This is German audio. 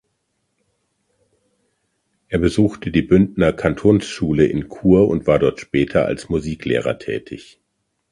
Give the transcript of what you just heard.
Er besuchte die Bündner Kantonsschule in Chur und war dort später als Musiklehrer tätig.